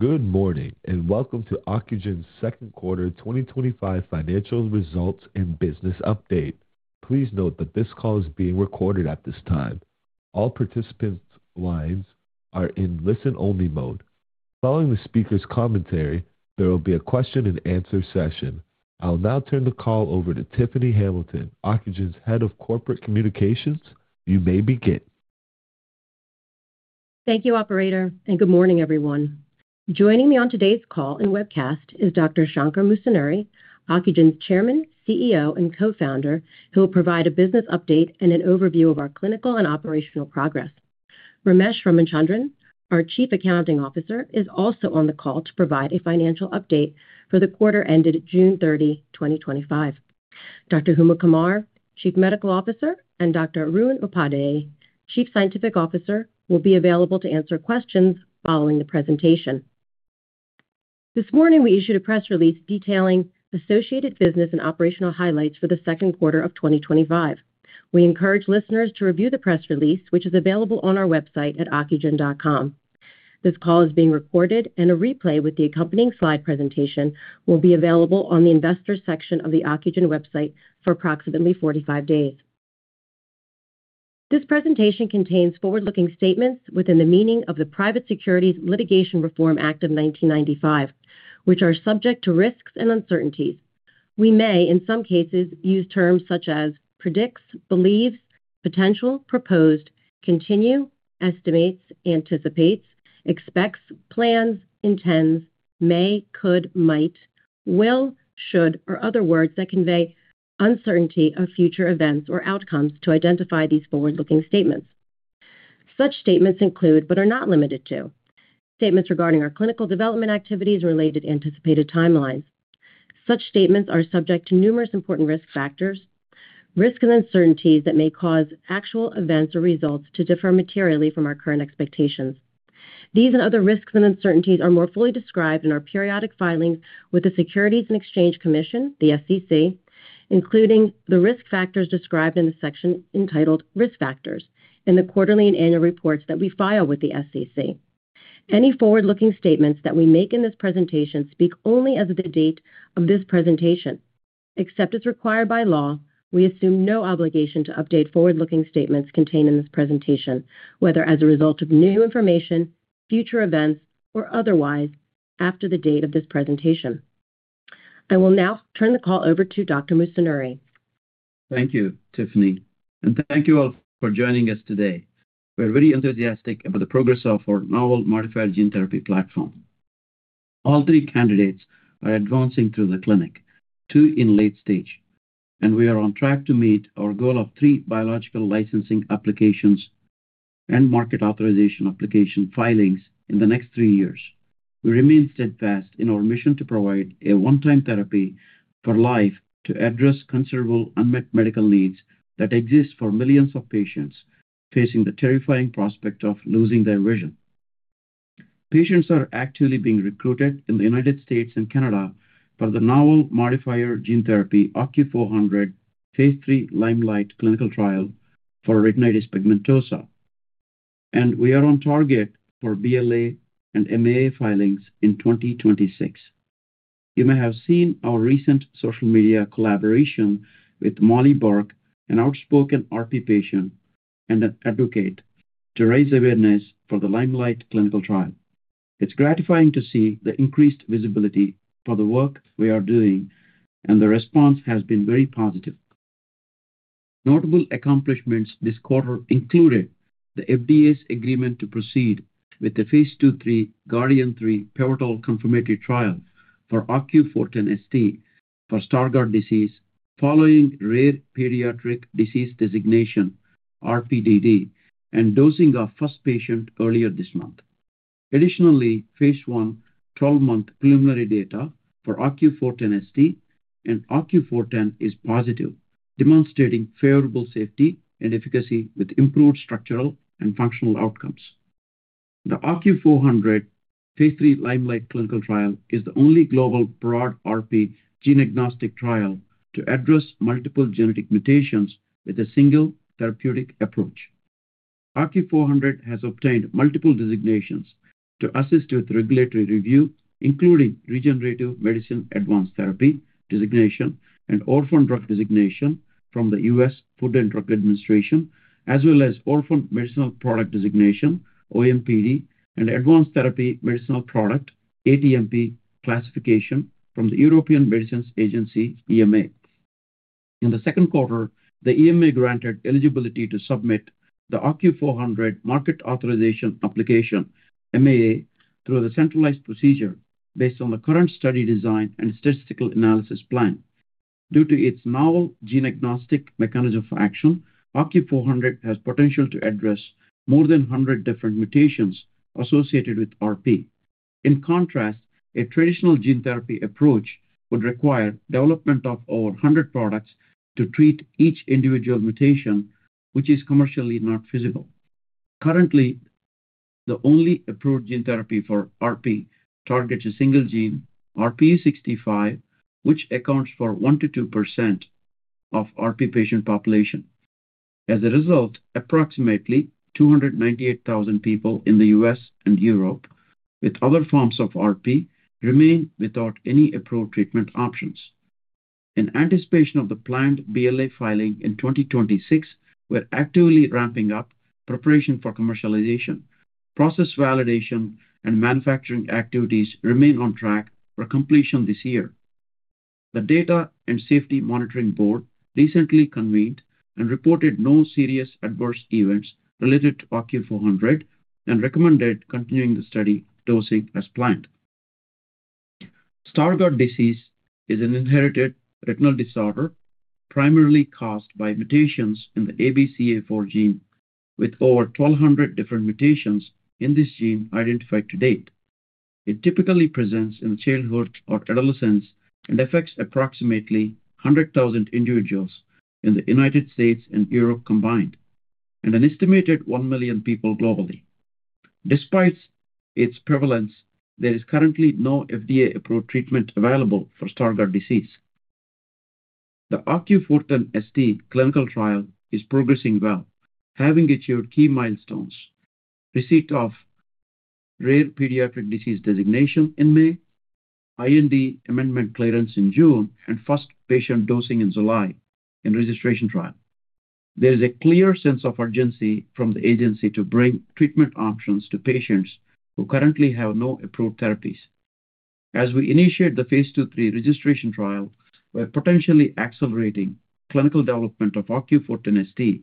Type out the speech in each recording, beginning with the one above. Good morning and welcome to Ocugen's Second Quarter 2025 financial results and business update. Please note that this call is being recorded at this time. All participants' lines are in listen-only mode. Following the speaker's commentary, there will be a question and answer session. I'll now turn the call over to Tiffany Hamilton, Ocugen's Head of Corporate Communications. You may begin. Thank you, Operator, and good morning, everyone. Joining me on today's call and webcast is Dr. Shankar Musunuri, Ocugen's Chairman, CEO, and co-founder, who will provide a business update and an overview of our clinical and operational progress. Ramesh Ramachandran, our Chief Accounting Officer, is also on the call to provide a financial update for the quarter ended June 30, 2025. Dr. Huma Qamar, Chief Medical Officer, and Dr. Arun Upadhyay, Chief Scientific Officer, will be available to answer questions following the presentation. This morning, we issued a press release detailing associated business and operational highlights for the second quarter of 2025. We encourage listeners to review the press release, which is available on our website at ocugen.com. This call is being recorded, and a replay with the accompanying slide presentation will be available on the Investors section of the Ocugen website for approximately 45 days. This presentation contains forward-looking statements within the meaning of the Private Securities Litigation Reform Act of 1995, which are subject to risks and uncertainties. We may, in some cases, use terms such as predicts, believes, potential, proposed, continue, estimates, anticipates, expects, plans, intends, may, could, might, will, should, or other words that convey uncertainty of future events or outcomes to identify these forward-looking statements. Such statements include, but are not limited to, statements regarding our clinical development activities related to anticipated timelines. Such statements are subject to numerous important risk factors, risks and uncertainties that may cause actual events or results to differ materially from our current expectations. These and other risks and uncertainties are more fully described in our periodic filings with the Securities and Exchange Commission, the SEC, including the risk factors described in the section entitled Risk Factors in the quarterly and annual reports that we file with the SEC. Any forward-looking statements that we make in this presentation speak only as of the date of this presentation. Except as required by law, we assume no obligation to update forward-looking statements contained in this presentation, whether as a result of new information, future events, or otherwise after the date of this presentation. I will now turn the call over to Dr. Musunuri. Thank you, Tiffany, and thank you all for joining us today. We're very enthusiastic about the progress of our novel modifier gene therapy platform. All three candidates are advancing through the clinic, two in late stage, and we are on track to meet our goal of three Biologics License Application and Marketing Authorization Application filings in the next three years. We remain steadfast in our mission to provide a one-time therapy for life to address considerable unmet medical needs that exist for millions of patients facing the terrifying prospect of losing their vision. Patients are actively being recruited in the United States and Canada for the novel modifier gene therapy OCU400 Phase III liMeliGhT clinical trial for retinitis pigmentosa, and we are on target for BLA and MAA filings in 2026. You may have seen our recent social media collaboration with Molly Burke, an outspoken RP patient and an advocate, to raise awareness for the liMeliGhT clinical trial. It's gratifying to see the increased visibility for the work we are doing, and the response has been very positive. Notable accomplishments this quarter included the FDA's agreement to proceed with the Phase II/III GARDian3 pivotal conformity trial for OCU410ST for Stargardt disease following rare pediatric disease designation, RPDD, and dosing of first patient earlier this month. Additionally, Phase I 12-month preliminary data for OCU410ST and OCU410 is positive, demonstrating favorable safety and efficacy with improved structural and functional outcomes. The OCU400 Phase III liMeliGhT clinical trial is the only global broad RP gene-agnostic trial to address multiple genetic mutations with a single therapeutic approach. OCU400 has obtained multiple designations to assist with regulatory review, including Regenerative Medicine Advanced Therapy designation and Orphan Drug designation from the U.S. Food and Drug Administration, as well as Orphan Medicinal Product designation, OMPD, and Advanced Therapy Medicinal Product, ATMP, classification from the European Medicines Agency, EMA. In the second quarter, the EMA granted eligibility to submit the OCU400 Marketing Authorization Application, MAA, through the centralized procedure based on the current study design and statistical analysis plan. Due to its novel gene-agnostic mechanism of action, OCU400 has potential to address more than 100 different mutations associated with RP. In contrast, a traditional gene therapy approach would require the development of over 100 products to treat each individual mutation, which is commercially not feasible. Currently, the only approved gene therapy for RP targets a single gene, RPE65, which accounts for 1-2% of RP patient population. As a result, approximately 298,000 people in the U.S. and Europe with other forms of RP remain without any approved treatment options. In anticipation of the planned BLA filing in 2026, we're actively ramping up preparation for commercialization. Process validation and manufacturing activities remain on track for completion this year. The Data and Safety Monitoring Board recently convened and reported no serious adverse events related to OCU400 and recommended continuing the study dosing as planned. Stargardt disease is an inherited retinal disorder primarily caused by mutations in the ABCA4 gene, with over 1,200 different mutations in this gene identified to date. It typically presents in childhood or adolescence and affects approximately 100,000 individuals in the United States and Europe combined, and an estimated 1 million people globally. Despite its prevalence, there is currently no FDA-approved treatment available for Stargardt disease. The OCU410ST clinical trial is progressing well, having achieved key milestones: receipt of rare pediatric disease designation in May, IND amendment clearance in June, and first patient dosing in July in registration trial. There is a clear sense of urgency from the agency to bring treatment options to patients who currently have no approved therapies. As we initiate the Phase II-III registration trial, we're potentially accelerating clinical development of OCU410ST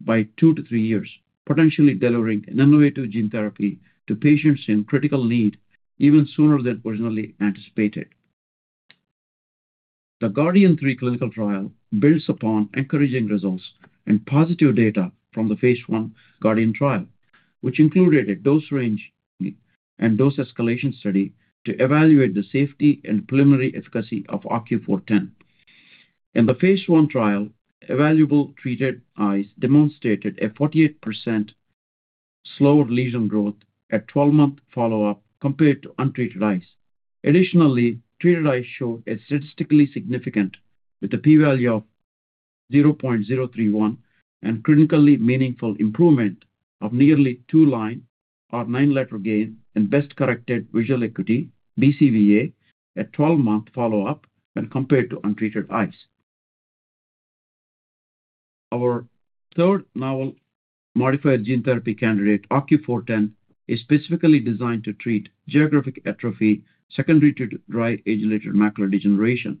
by two to three years, potentially delivering an innovative gene therapy to patients in critical need even sooner than originally anticipated. The GARDian3 clinical trial builds upon encouraging results and positive data from the Phase I GARDian trial, which included a dose range and dose escalation study to evaluate the safety and preliminary efficacy of OCU410. In the Phase I trial, evaluable treated eyes demonstrated a 48% slower lesion growth at 12-month follow-up compared to untreated eyes. Additionally, treated eyes showed a statistically significant, with a p-value of 0.031, and clinically meaningful improvement of nearly two-line or nine-letter gain in best-corrected visual acuity, BCVA, at 12-month follow-up when compared to untreated eyes. Our third novel modifier gene therapy candidate, OCU410, is specifically designed to treat geographic atrophy secondary to dry age-related macular degeneration,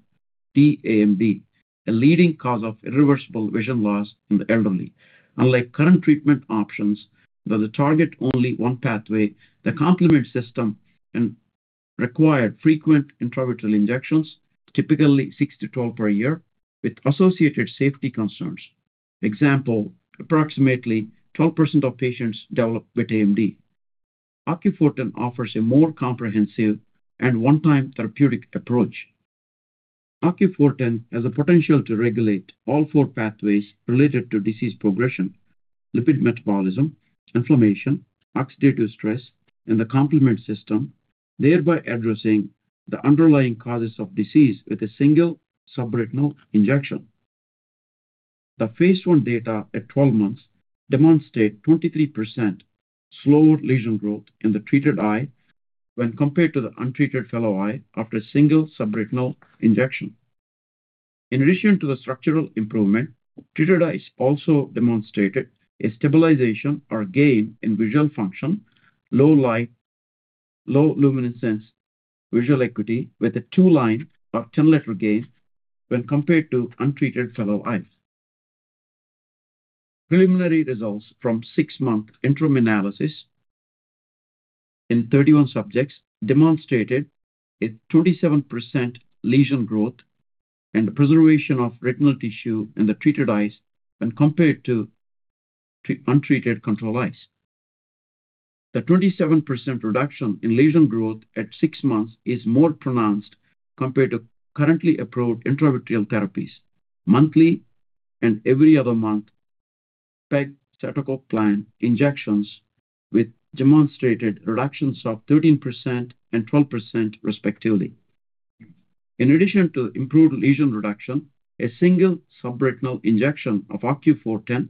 DAMD, a leading cause of irreversible vision loss in the elderly. Unlike current treatment options that target only one pathway, the complement system requires frequent intravitreal injections, typically 6-12 per year, with associated safety concerns. For example, approximately 12% of patients develop with AMD. OCU410 offers a more comprehensive and one-time therapeutic approach. OCU410 has the potential to regulate all four pathways related to disease progression: lipid metabolism, inflammation, oxidative stress, and the complement system, thereby addressing the underlying causes of disease with a single subretinal injection. The Phase I data at 12 months demonstrate 23% slower lesion growth in the treated eye when compared to the untreated fellow eye after a single subretinal injection. In addition to the structural improvement, treated eyes also demonstrated a stabilization or gain in visual function, low light, low luminance sense, visual acuity, with a two-line or 10-letter gain when compared to untreated fellow eyes. Preliminary results from six-month interim analysis in 31 subjects demonstrated a 27% lesion growth reduction and the preservation of retinal tissue in the treated eyes when compared to untreated control eyes. The 27% reduction in lesion growth at six months is more pronounced compared to currently approved intravitreal therapies. Monthly and every other month, pegcetacoplan injections demonstrated reductions of 13% and 12% respectively. In addition to improved lesion reduction, a single subretinal injection of OCU410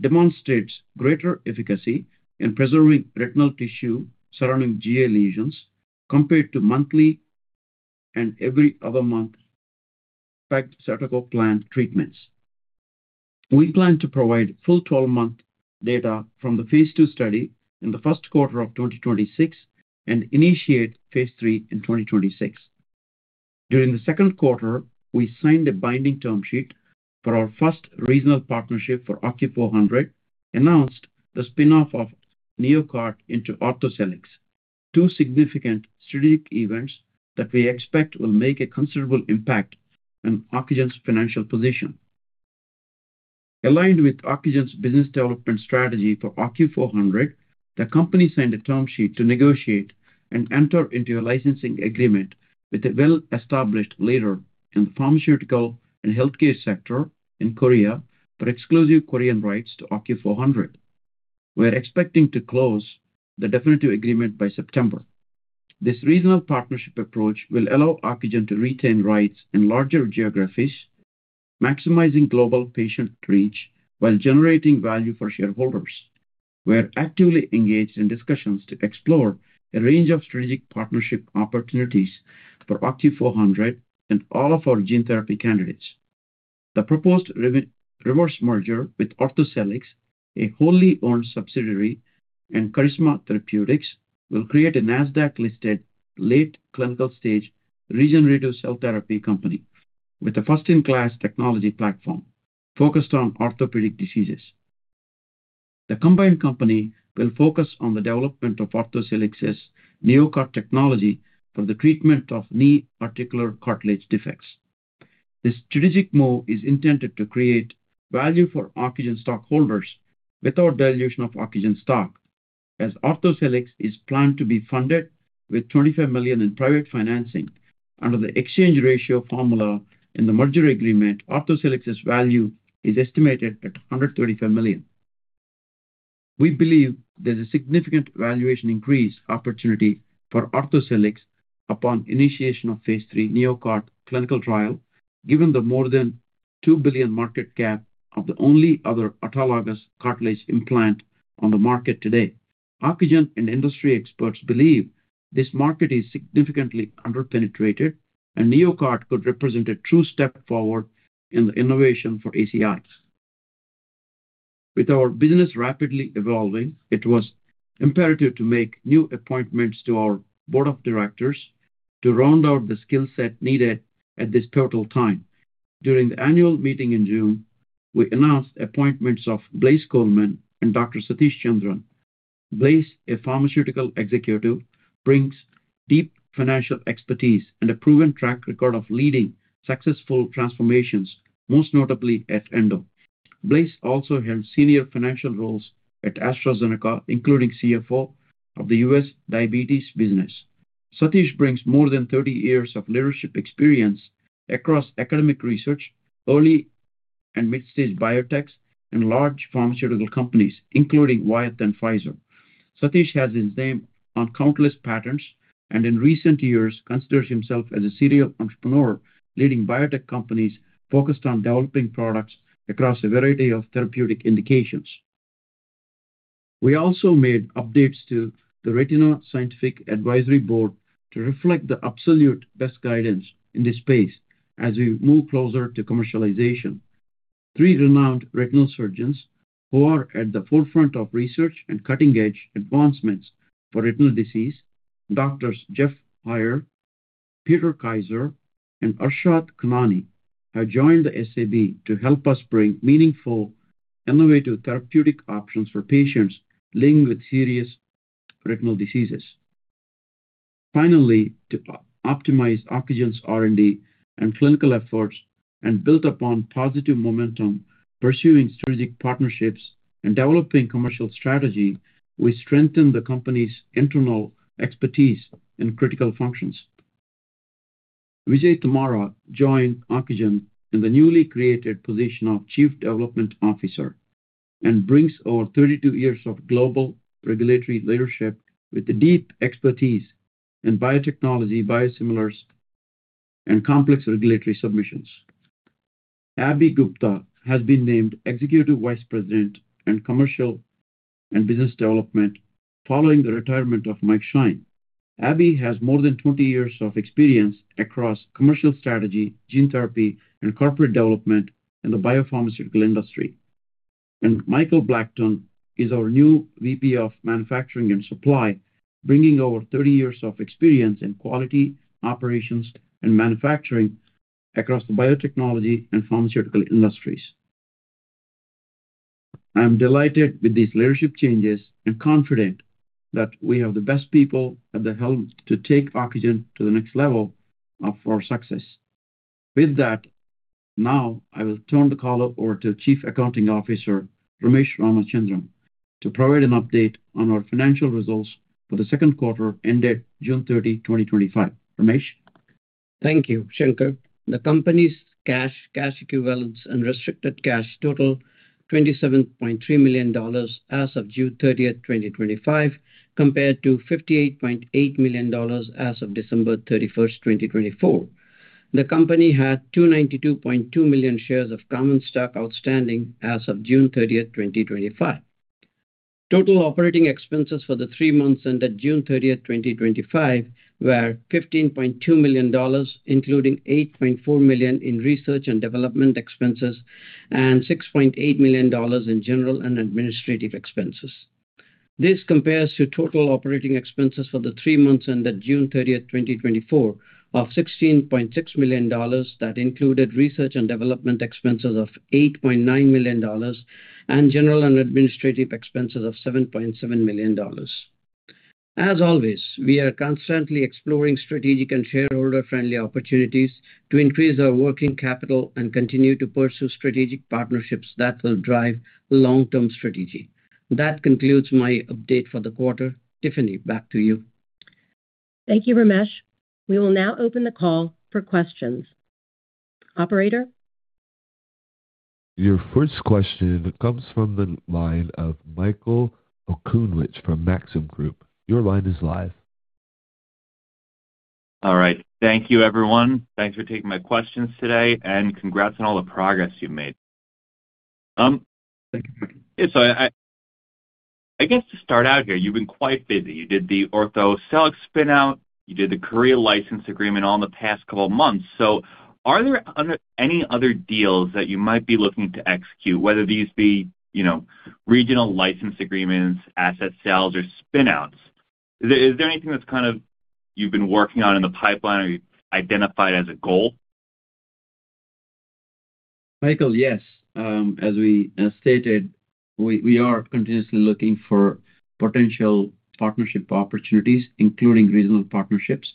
demonstrates greater efficacy in preserving retinal tissue surrounding GA lesions compared to monthly and every other month pegcetacoplan treatments. We plan to provide full 12-month data from the Phase II study in the first quarter of 2026 and initiate Phase III in 2026. During the second quarter, we signed a binding term sheet for our first regional partnership for OCU400, announced the spin-off of NeoCart into OrthoCellix, two significant strategic events that we expect will make a considerable impact on Ocugen's financial position. Aligned with Ocugen's business development strategy for OCU400, the company signed a term sheet to negotiate and enter into a licensing agreement with a well-established leader in the pharmaceutical and healthcare sector in Korea for exclusive Korean rights to OCU400. We're expecting to close the definitive agreement by September. This regional partnership approach will allow Ocugen to retain rights in larger geographies, maximizing global patient reach while generating value for shareholders. We're actively engaged in discussions to explore a range of strategic partnership opportunities for OCU400 and all of our gene therapy candidates. The proposed reverse merger with OrthoCellix, a wholly owned subsidiary, and Carisma Therapeutics will create a NASDAQ-listed late clinical stage regenerative cell therapy company with a first-in-class technology platform focused on orthopedic diseases. The combined company will focus on the development of OrthoCellix's NeoCart technology for the treatment of knee articular cartilage defects. This strategic move is intended to create value for Ocugen stockholders without dilution of Ocugen stock, as OrthoCellix is planned to be funded with $25 million in private financing under the exchange ratio formula in the merger agreement. OrthoCellix's value is estimated at $135 million. We believe there's a significant valuation increase opportunity for OrthoCellix upon initiation of Phase III NeoCart clinical trial, given the more than $2 billion market cap of the only other autologous cartilage implant on the market today. Ocugen and industry experts believe this market is significantly underpenetrated, and NeoCart could represent a true step forward in the innovation for ACIs. With our business rapidly evolving, it was imperative to make new appointments to our Board of Directors to round out the skill set needed at this pivotal time. During the annual meeting in June, we announced appointments of Blaise Coleman and Dr. Satish Chandran. Blaise, a pharmaceutical executive, brings deep financial expertise and a proven track record of leading successful transformations, most notably at Endo. Blaise also held senior financial roles at AstraZeneca, including CFO of the U.S. diabetes business. Satish brings more than 30 years of leadership experience across academic research, early and mid-stage biotechs, and large pharmaceutical companies, including Wyeth and Pfizer. Satish has his name on countless patents and in recent years considers himself as a serial entrepreneur leading biotech companies focused on developing products across a variety of therapeutic indications. We also made updates to the Retinal Scientific Advisory Board to reflect the absolute best guidance in this space as we move closer to commercialization. Three renowned retinal surgeons who are at the forefront of research and cutting-edge advancements for retinal disease, Doctors Jeff Heier, Peter Kaiser, and Arshad Khanani, have joined the SAB to help us bring meaningful, innovative therapeutic options for patients living with serious retinal diseases. Finally, to optimize Ocugen's R&D and clinical efforts and build upon positive momentum pursuing strategic partnerships and developing commercial strategy, we strengthened the company's internal expertise in critical functions. Vijay Tammara joined Ocugen in the newly created position of Chief Development Officer and brings over 32 years of global regulatory leadership with deep expertise in biotechnology, biosimilars, and complex regulatory submissions. Abhi Gupta has been named Executive Vice President in Commercial and Business Development following the retirement of Mike Shine. Abhi has more than 20 years of experience across commercial strategy, gene therapy, and corporate development in the biopharmaceutical industry. Michael Blackton is our new VP of Manufacturing and Supply, bringing over 30 years of experience in quality, operations, and manufacturing across the biotechnology and pharmaceutical industries. I'm delighted with these leadership changes and confident that we have the best people at the helm to take Ocugen to the next level of our success. With that, now I will turn the call over to Chief Accounting Officer Ramesh Ramachandran to provide an update on our financial results for the second quarter ending June 30, 2025. Ramesh. Thank you, Shankar. The company's cash equivalents and restricted cash total $27.3 million as of June 30, 2025, compared to $58.8 million as of December 31, 2024. The company had 292.2 million shares of common stock outstanding as of June 30, 2025. Total operating expenses for the three months ended June 30, 2025, were $15.2 million, including $8.4 million in research and development expenses and $6.8 million in general and administrative expenses. This compares to total operating expenses for the three months ended June 30, 2024, of $16.6 million that included research and development expenses of $8.9 million and general and administrative expenses of $7.7 million. As always, we are constantly exploring strategic and shareholder-friendly opportunities to increase our working capital and continue to pursue strategic partnerships that will drive long-term strategy. That concludes my update for the quarter. Tiffany, back to you. Thank you, Ramesh. We will now open the call for questions. Operator? Your first question comes from the line of Michael Okunewitch from Maxim Group. Your line is live. All right. Thank you, everyone. Thanks for taking my questions today and congrats on all the progress you've made. I guess to start out here, you've been quite busy. You did the OrthoCellix spin-out. You did the Korea license agreement all in the past couple of months. Are there any other deals that you might be looking to execute, whether these be, you know, regional license agreements, asset sales, or spin-outs? Is there anything that you've been working on in the pipeline or you've identified as a goal? Michael, yes. As we stated, we are continuously looking for potential partnership opportunities, including regional partnerships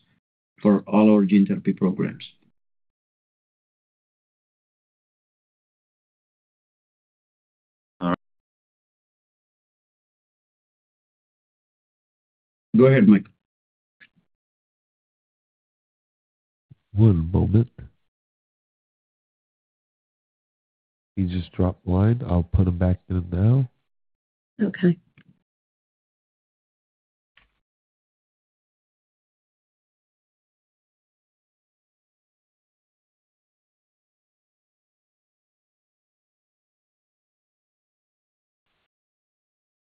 for all our gene therapy programs. Go ahead, Mike. One moment. He just dropped the line. I'll put him back in now. Okay.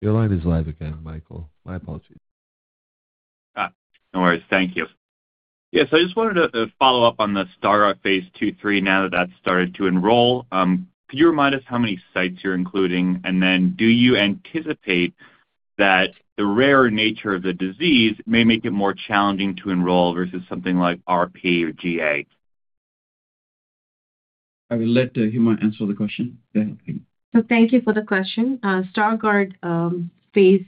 Your line is live again, Michael. My apologies. Thank you. Yeah, I just wanted to follow up on the Stargardt Phase II-III now that that's started to enroll. Could you remind us how many sites you're including, and do you anticipate that the rare nature of the disease may make it more challenging to enroll versus something like RP or GA? I will let Huma answer the question. Thank you for the question. Stargardt Phase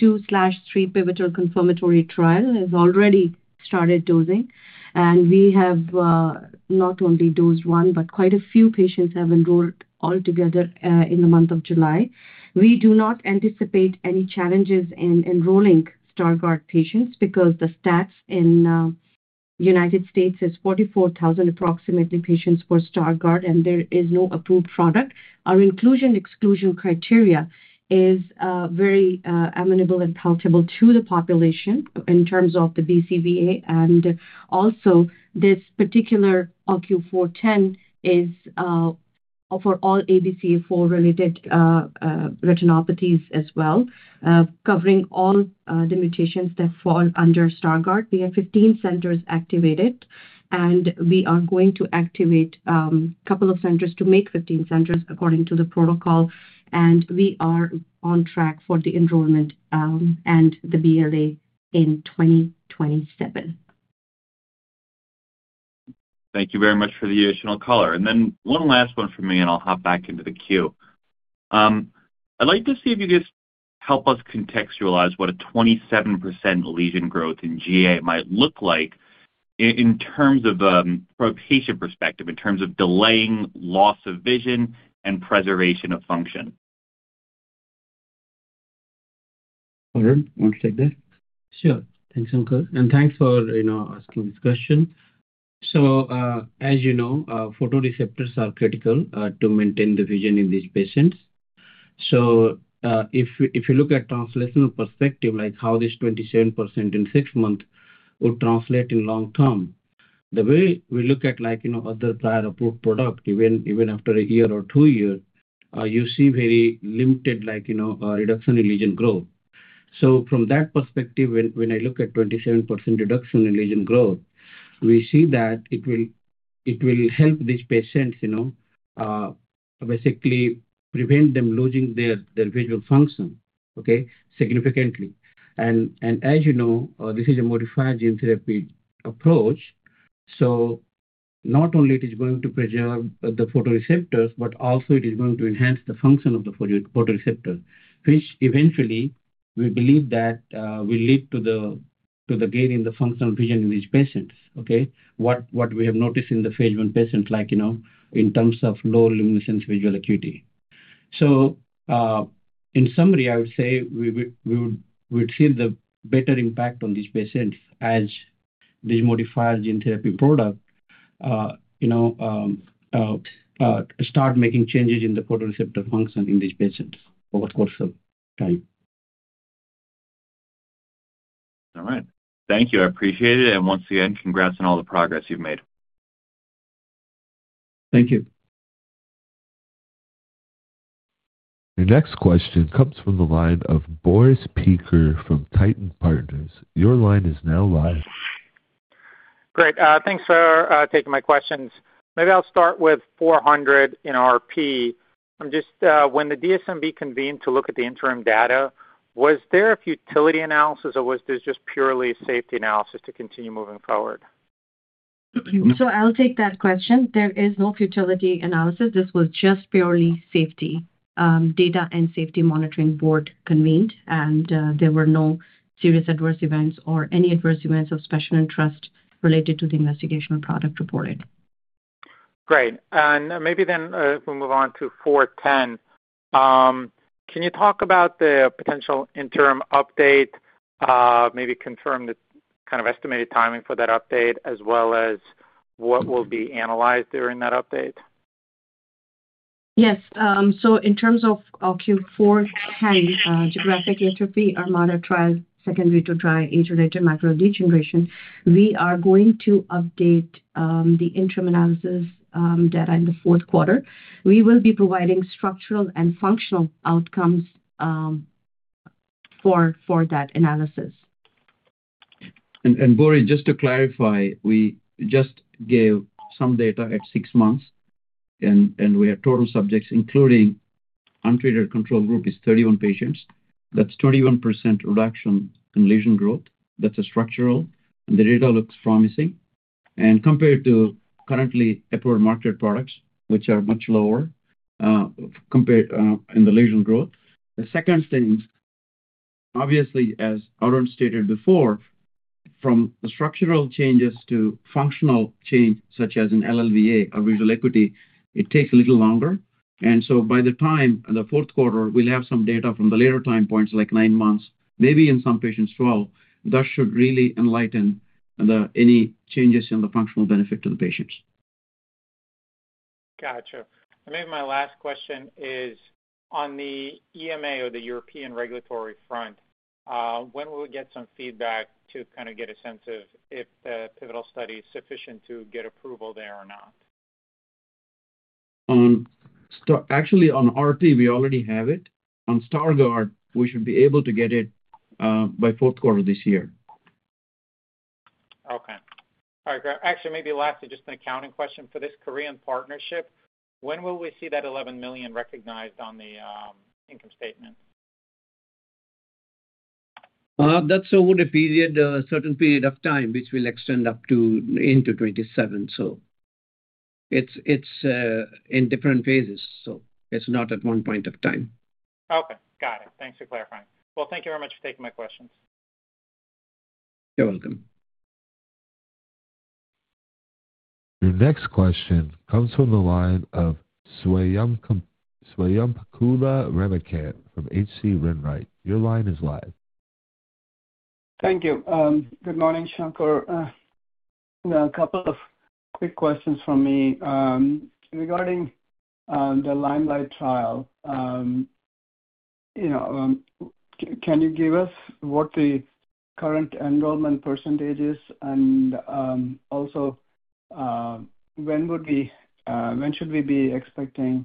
II/III pivotal confirmatory trial has already started dosing, and we have not only dosed one, but quite a few patients have enrolled altogether in the month of July. We do not anticipate any challenges in enrolling Stargardt patients because the stats in the United States are 44,000 approximately patients for Stargardt, and there is no approved product. Our inclusion-exclusion criteria is very amenable and palatable to the population in terms of the BCVA, and also this particular OCU410 is for all ABCA4-related retinopathies as well, covering all the mutations that fall under Stargardt. We have 15 centers activated, and we are going to activate a couple of centers to make 15 centers according to the protocol, and we are on track for the enrollment and the BLA in 2027. Thank you very much for the additional caller. One last one from me, and I'll hop back into the queue. I'd like to see if you could help us contextualize what a 27% lesion growth in GA might look like in terms of a patient perspective, in terms of delaying loss of vision and preservation of function. Okay. Want to take that? Sure. Thanks, Shankar. Thanks for asking this question. As you know, photoreceptors are critical to maintain the vision in these patients. If you look at translational perspective, like how this 27% in six months would translate in long term, the way we look at other prior approved products, even after a year or two years, you see very limited reduction in lesion growth. From that perspective, when I look at 27% reduction in lesion growth, we see that it will help these patients, you know, basically prevent them losing their visual function, significantly. As you know, this is a modifier gene therapy approach. Not only is it going to preserve the photoreceptors, but also it is going to enhance the function of the photoreceptor, which eventually we believe that will lead to the gain in the functional vision in these patients. What we have noticed in the Phase I patients, like, you know, in terms of low luminescence visual acuity. In summary, I would say we would see the better impact on these patients as this modifier gene therapy product starts making changes in the photoreceptor function in these patients over the course of time. All right. Thank you. I appreciate it. Once again, congrats on all the progress you've made. Thank you. The next question comes from the line of Boris Peaker from Titan Partners. Your line is now live. Great. Thanks for taking my questions. Maybe I'll start with OCU400 in RP. When the DSMB convened to look at the interim data, was there a futility analysis or was this just purely a safety analysis to continue moving forward? I'll take that question. There is no futility analysis. This was just purely safety. The Data and Safety Monitoring Board convened, and there were no serious adverse events or any adverse events of special interest related to the investigational product reported. Great. Maybe we'll move on to OCU410. Can you talk about the potential interim update, confirm the kind of estimated timing for that update, as well as what will be analyzed during that update? Yes. In terms of OCU410, geographic atrophy or moderate trials secondary to dry age-related macular degeneration, we are going to update the interim analysis data in the fourth quarter. We will be providing structural and functional outcomes for that analysis. Boris, just to clarify, we just gave some data at six months, and we had total subjects, including untreated control group, is 31 patients. That's a 21% reduction in lesion growth. That's a structural, and the data looks promising. Compared to currently approved market products, which are much lower in the lesion growth, the second thing, obviously, as Arun stated before, from the structural changes to functional change, such as an LLVA or visual acuity, it takes a little longer. By the time the fourth quarter, we'll have some data from the later time points, like nine months, maybe in some patients' flow, that should really enlighten any changes in the functional benefit to the patients. Gotcha. Maybe my last question is, on the EMA or the European regulatory front, when will we get some feedback to kind of get a sense of if the pivotal study is sufficient to get approval there or not? Actually, on RP, we already have it. On Stargardt, we should be able to get it by fourth quarter this year. Okay. All right. Actually, maybe lastly, just an accounting question for this Korea partnership. When will we see that $11 million recognized on the income statement? That's over a period, a certain period of time, which will extend up to into 2027. It's in different phases. It's not at one point of time. Okay. Got it. Thanks for clarifying. Thank you very much for taking my questions. You're welcome. The next question comes from the line of Swayampakula Ramakanth from H.C. Wainwright. Your line is live. Thank you. Good morning, Shankar. A couple of quick questions from me. Regarding the liMeliGhT trial, can you give us what the current enrollment % is, and also, when should we be expecting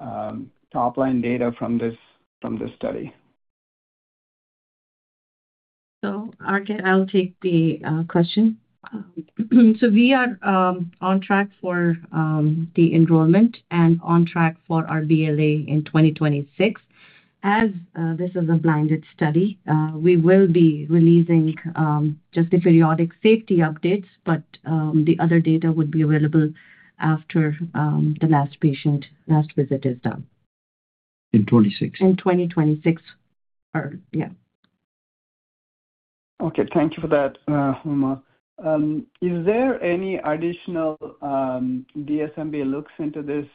top-line data from this study? We are on track for the enrollment and on track for our BLA in 2026. As this is a blinded study, we will be releasing just the periodic safety updates, but the other data would be available after the last patient last visit is done. In '26? In 2026, or yeah. Okay. Thank you for that, Huma. Is there any additional DSMB looks into this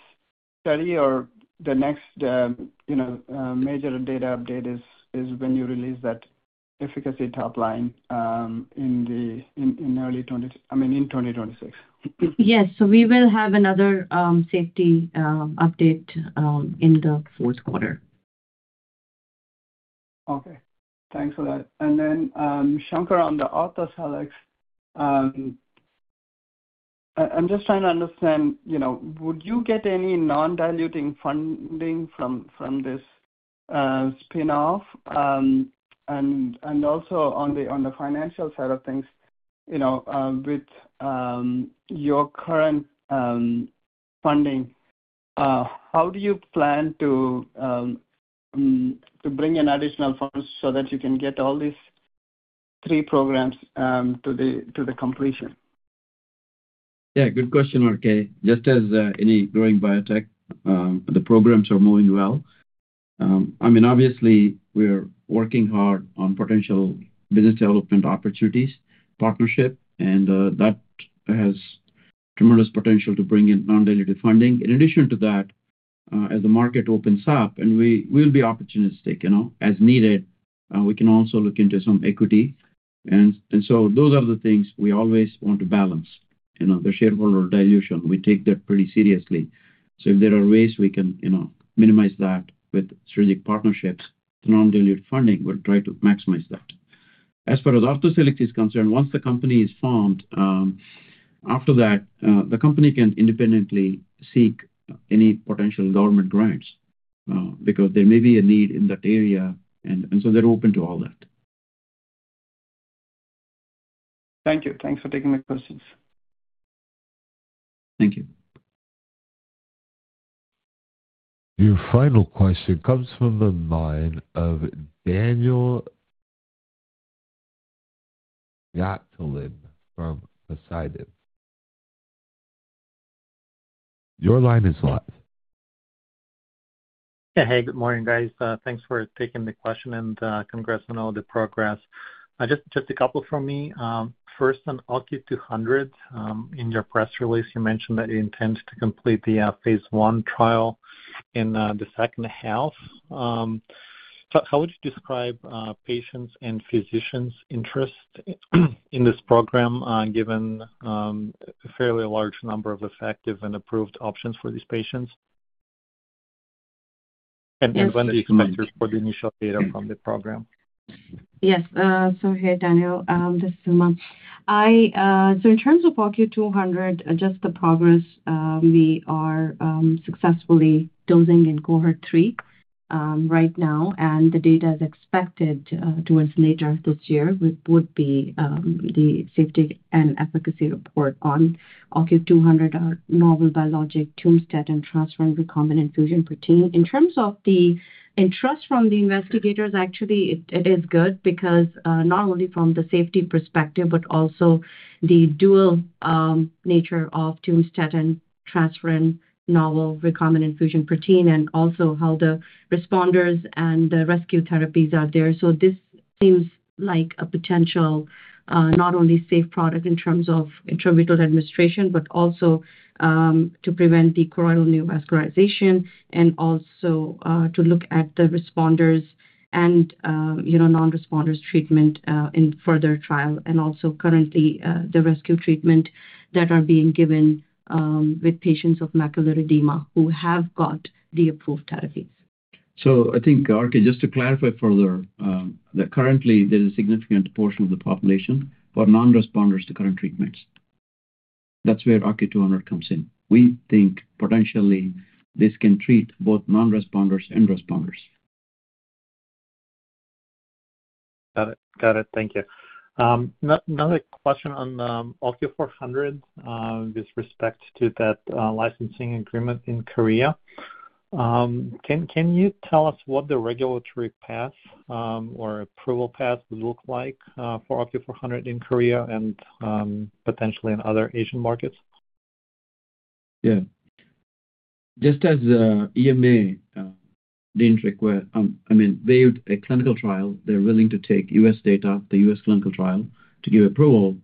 study, or the next major data update is when you release that efficacy top-line in early, I mean, in 2026? Yes, we will have another safety update in the fourth quarter. Okay. Thanks for that. Shankar, on the OrthoCellix, I'm just trying to understand, would you get any non-dilutive funding from this spin-off? Also, on the financial side of things, with your current funding, how do you plan to bring in additional funds so that you can get all these three programs to the completion? Yeah. Good question, RK. Just as any growing biotech, the programs are moving well. Obviously, we're working hard on potential business development opportunities, partnership, and that has tremendous potential to bring in non-dilutive funding. In addition to that, as the market opens up, we will be opportunistic, you know, as needed, we can also look into some equity. Those are the things we always want to balance. You know, the shareholder dilution, we take that pretty seriously. If there are ways we can, you know, minimize that with strategic partnerships, non-dilutive funding, we'll try to maximize that. As far as OrthoCellix is concerned, once the company is formed, after that, the company can independently seek any potential government grants because there may be a need in that area, and so they're open to all that. Thank you. Thanks for taking my questions. Thank you. Your final question comes from the line of Daniil V. Gataulin from Poseidon. Your line is live. Good morning, guys. Thanks for taking the question and congrats on all the progress. Just a couple from me. First, on OCU200, in your press release, you mentioned that it intends to complete the Phase I trial in the second half. How would you describe patients' and physicians' interest in this program, given a fairly large number of effective and approved options for these patients? What are the expectations for the initial data from the program? Yes. Here, Daniil. This is Huma. In terms of OCU200, just the progress, we are successfully dosing in cohort three right now, and the data is expected towards later this year with both the safety and efficacy report on OCU200, our novel biologic tumescent and transferrin recombinant infusion protein. In terms of the interest from the investigators, actually, it is good because not only from the safety perspective, but also the dual nature of tumescent and transferrin novel recombinant infusion protein and also how the responders and the rescue therapies are there. This seems like a potential not only safe product in terms of intermittent administration, but also to prevent the choroidal neovascularization and also to look at the responders' and non-responders' treatment in further trial and also currently the rescue treatment that are being given with patients of macular edema who have got the approved therapies. I think, RK, just to clarify further, that currently there's a significant portion of the population for non-responders to current treatments. That's where OCU200 comes in. We think potentially this can treat both non-responders and responders. Thank you. Another question on the OCU400 with respect to that licensing agreement in Korea. Can you tell us what the regulatory path or approval path would look like for OCU400 in Korea and potentially in other Asian markets? Yeah. Just as the EMA didn't require, I mean, they have a clinical trial. They're willing to take U.S. data, the U.S. clinical trial to give approval.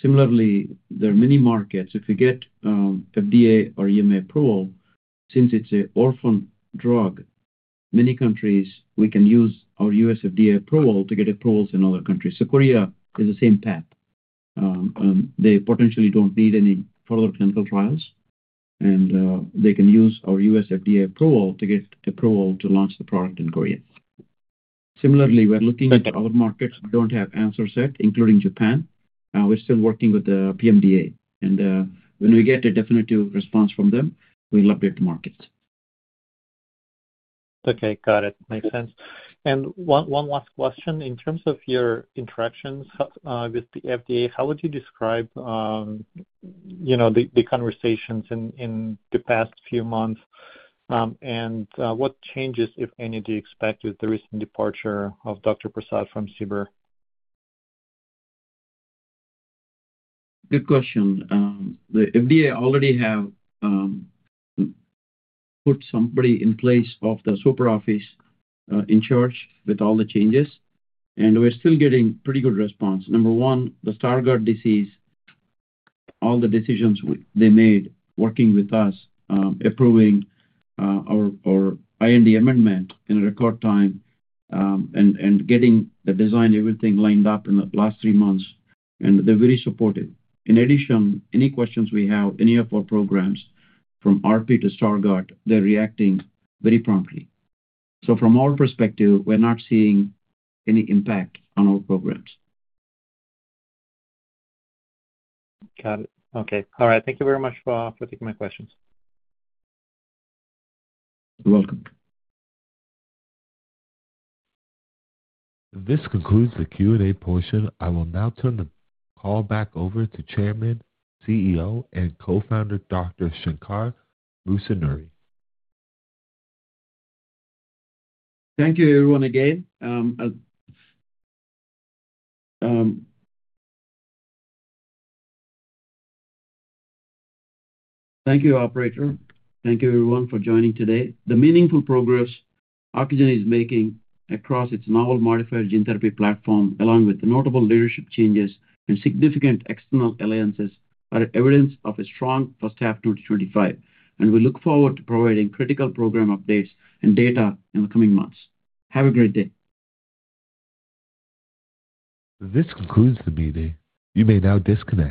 Similarly, there are many markets. If you get FDA or EMA approval, since it's an orphan drug, many countries, we can use our U.S. FDA approval to get approvals in other countries. Korea is the same path. They potentially don't need any further clinical trials, and they can use our U.S. FDA approval to get approval to launch the product in Korea. Similarly, we're looking at the other markets who don't have answers yet, including Japan. We're still working with the PMDA. When we get a definitive response from them, we'll update the markets. Okay. Got it. Makes sense. One last question. In terms of your interactions with the FDA, how would you describe the conversations in the past few months? What changes, if any, do you expect with the recent departure of Dr. Prasad from CBER? Good question. The FDA already has put somebody in place of the super office in charge with all the changes, and we're still getting pretty good response. Number one, the Stargardt disease, all the decisions they made working with us, approving our IND amendment in a record time, and getting the design, everything lined up in the last three months, and they're very supportive. In addition, any questions we have, any of our programs from RP to Stargardt, they're reacting very promptly. From our perspective, we're not seeing any impact on our programs. Got it. Okay. All right. Thank you very much for taking my questions. You're welcome. This concludes the Q&A portion. I will now turn the call back over to Chairman, CEO, and Co-Founder, Dr. Shankar Musunuri. Thank you, everyone, again. Thank you, Operator. Thank you, everyone, for joining today. The meaningful progress Ocugen is making across its novel modifier gene therapy platform, along with notable leadership changes and significant external alliances, are evidence of a strong first half 2025. We look forward to providing critical program updates and data in the coming months. Have a great day. This concludes the meeting. You may now disconnect.